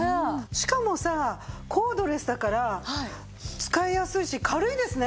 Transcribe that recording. しかもさコードレスだから使いやすいし軽いですね